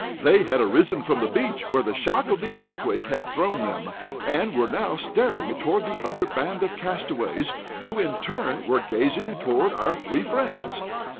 They had arisen from the beach, where the shock of the earthquake had thrown them, and were now staring toward the other band of castaways, who, in turn were gazing toward our three friends.